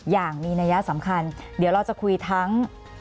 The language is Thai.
อย่างมีนัยสำคัญเดี๋ยวเราจะคุยทั้ง